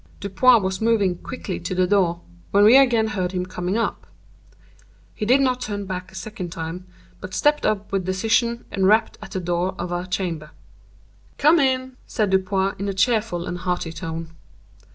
Dupin was moving quickly to the door, when we again heard him coming up. He did not turn back a second time, but stepped up with decision, and rapped at the door of our chamber. "Come in," said Dupin, in a cheerful and hearty tone.